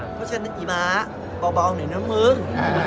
เพราะฉะนั้นอีม้าบังเผาเถิดเริง